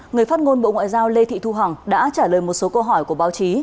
người phát ngôn bộ ngoại giao lê thị thu hằng đã trả lời một số câu hỏi của báo chí